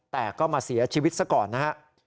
แต่ก็มาเสียชีวิตซะก่อนนะฮะ